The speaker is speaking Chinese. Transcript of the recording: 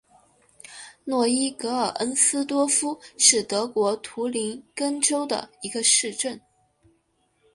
诺伊格尔恩斯多夫是德国图林根州的一个市镇。